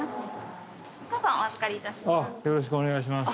よろしくお願いします。